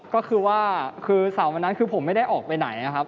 ก็คือว่าคือเสาร์วันนั้นคือผมไม่ได้ออกไปไหนนะครับ